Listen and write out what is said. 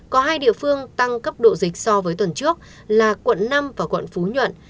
có hai địa phương tăng cấp độ dịch so với tuần trước là quận năm và quận phú nhuận